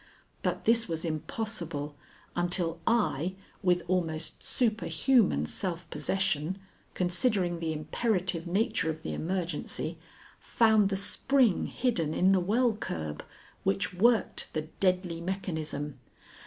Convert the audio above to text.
But this was impossible until I, with almost superhuman self possession, considering the imperative nature of the emergency, found the spring hidden in the well curb which worked the deadly mechanism.